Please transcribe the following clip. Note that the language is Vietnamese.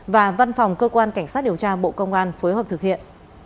và văn phòng cơ quan cảnh sát điều tra bộ công an phối hợp thực hiện